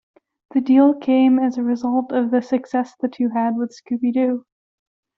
The deal came as a result of the success the two had with Scooby-Doo!